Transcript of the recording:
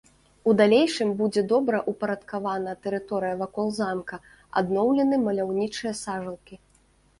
У далейшым будзе добраўпарадкавана тэрыторыя вакол замка, адноўлены маляўнічыя сажалкі.